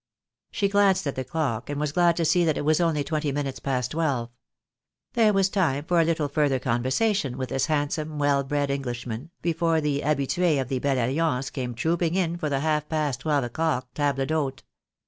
She glanced at the clock, and was glad to see that it was only twenty minutes past twelve. There was time for a little further conversation with this handsome, well bred Englishman, before the habitues of the ' 'Belle Alliance" came trooping in for the half past twelve o'clock table d'hote.